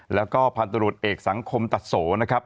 แล้วก็พันธุรกิจเอกสังคมตัดโสนะครับ